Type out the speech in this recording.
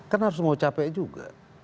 kan harus mau capek juga